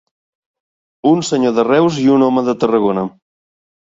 Un senyor de Reus i un home de Tarragona.